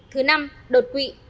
thứ năm đột quỵ